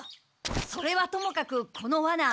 それはともかくこのワナ。